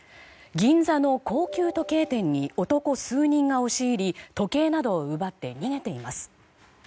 銀座の高級時計店に男数人が押し入り時計などを奪って逃げています。